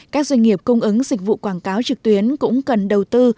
các doanh nghiệp cung ứng dịch vụ quảng cáo trực tuyến cũng cần đầu tư